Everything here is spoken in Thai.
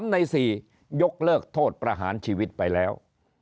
ใน๔ยกเลิกโทษประหารชีวิตไปแล้ว